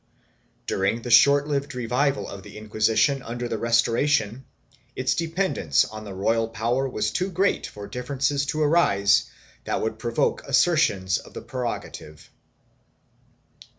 1 During the short lived revival of the Inquisition under the Restoration, its dependence on the royal power was too great for differences to arise that would provoke assertions of the prerogative.